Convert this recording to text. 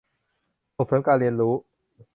ส่งเสริมการเรียนรู้